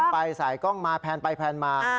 ไปแพนมาอ่ะ